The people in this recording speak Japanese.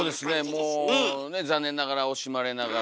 もうねっ残念ながら惜しまれながら。